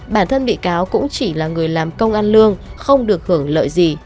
bản thân bị cáo cũng chỉ là người làm công ăn lương không được hưởng lợi gì